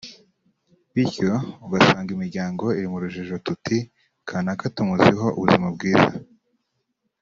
Bityo ugasanga imiryango iri mu rujijo tuti "kanaka tumuziho ubuzima bwiza